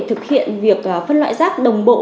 thực hiện việc phân loại rác đồng bộ